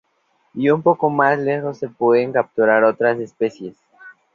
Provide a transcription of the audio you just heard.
Y un poco más lejos se pueden capturar otras especies.